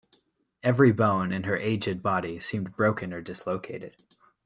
Every bone in her aged body seemed broken or dislocated.